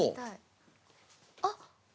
あっ。